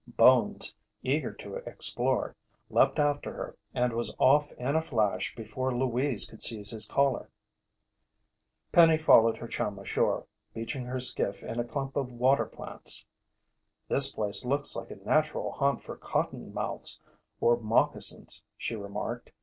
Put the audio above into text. Bones, eager to explore, leaped after her and was off in a flash before Louise could seize his collar. Penny followed her chum ashore, beaching her skiff in a clump of water plants. "This place looks like a natural haunt for cottonmouths or moccasins," she remarked.